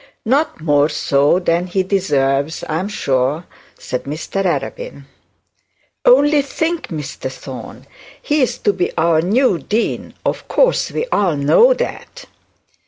'Not more than he deserves, I am sure,' said Mr Arabin. 'Only think, Mr Thorne, he is to be our new dean; of course we all know that.'